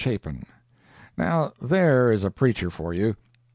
CHAPIN Now there is a preacher for you.